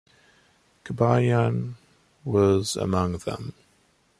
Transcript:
Kabayan was among them.